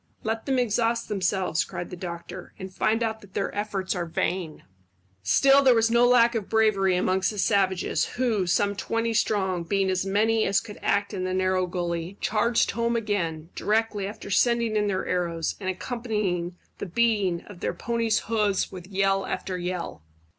"Let them exhaust themselves," cried the doctor, "and find out that their efforts are vain." Still there was no lack of bravery amongst the savages, who, some twenty strong, being as many as could act in the narrow gully, charged home again, directly after sending in their arrows, and accompanying the beating of their ponies' hoofs with yell after yell.